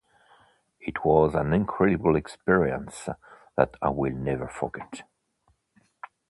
It was an incredible experience that I will never forget.